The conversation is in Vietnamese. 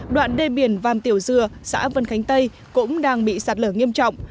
đoạn đê biển vàm tiểu dừa xã vân khánh tây cũng đang bị sạt lở nghiêm trọng